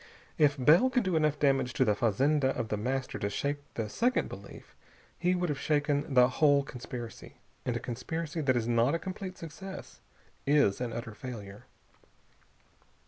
If Bell could do enough damage to the fazenda of The Master to shake the second belief, he would have shaken the whole conspiracy. And a conspiracy that is not a complete success is an utter failure.